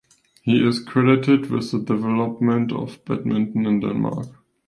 He is credited with the development of badminton in Denmark.